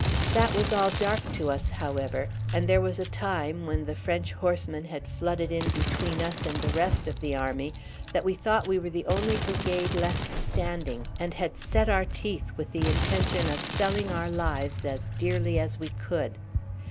That was all dark to us, however; and there was a time, when the French horsemen had flooded in between us and the rest of the army, that we thought we were the only brigade left standing, and had set our teeth with the intention of selling our lives as dearly as we could.